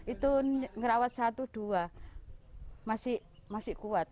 itu ngerawat satu dua masih kuat